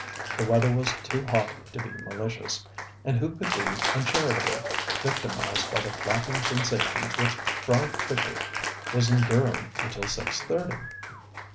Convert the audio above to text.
The weather was too hot to be malicious, and who could be uncharitable, victimised by the flapping sensations which Frau Fischer was enduring until six thirty?